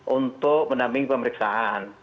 untuk mendampingi pemeriksaan